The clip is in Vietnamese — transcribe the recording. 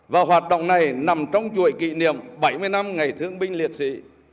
và hoạt động này nằm trong chuỗi kỷ niệm bảy mươi năm ngày thương binh liệt sĩ